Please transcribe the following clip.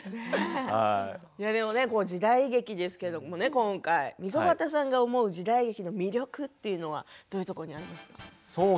時代劇ですけれども今回、溝端さんが思う時代劇の魅力はどういうところにありますか？